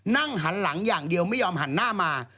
นั่งหันหลังอย่างเดียวไม่ยอมหันหน้ามา